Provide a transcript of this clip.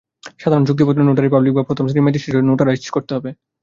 সাধারণ চুক্তিপত্র notary public বা প্রথম শ্রেণির ম্যাজিস্ট্রেট দিয়ে নোটারাইজড করতে হবে।